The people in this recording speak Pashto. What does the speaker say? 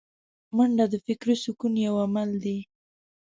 منډه د فکري سکون یو عمل دی